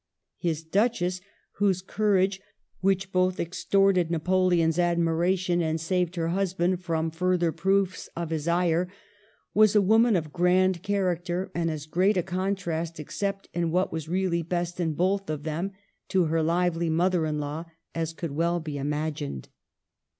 His duchess (whose courage both ex Digitized by VjOOQIC I36 MADAME DE STAEL torted Napoleon's admiration arid saved her hus band from further proofs of his ire) was a woman of grand character, and as great a contrast, except in what was really best in both of them, to her lively mother in law as could well be imagined.